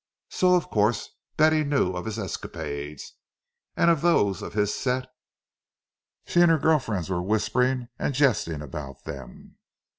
So, of course, Betty knew of his escapades, and of those of his set; she and her girl friends were whispering and jesting about them.